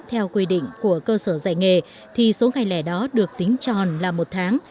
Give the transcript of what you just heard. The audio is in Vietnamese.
theo quy định của cơ sở dạy nghề thì số ngày lẻ đó được tính tròn là một tháng